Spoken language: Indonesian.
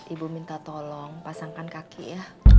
ibu minta tolong pasangkan kaki ya